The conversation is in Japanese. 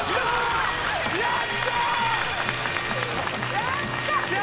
やったー！